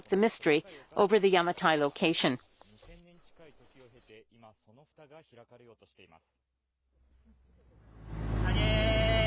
２０００年近い時を経て、今、そのふたが開かれようとしています。